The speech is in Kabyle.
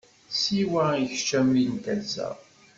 Siwa i kečč a mmi n tasa.